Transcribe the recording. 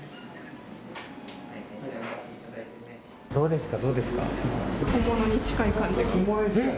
どうですか？